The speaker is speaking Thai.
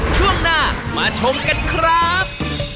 ช่วงหน้ามาชมกันครับ